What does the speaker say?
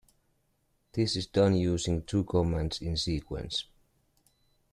This is done using two commands in sequence.